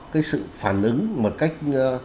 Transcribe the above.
cái sự phản ứng một cách